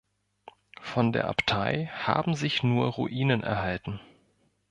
Von der Abtei haben sich nur Ruinen erhalten.